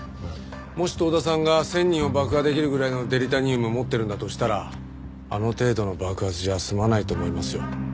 もし遠田さんが１０００人を爆破できるぐらいのデリタニウム持ってるんだとしたらあの程度の爆発じゃ済まないと思いますよ。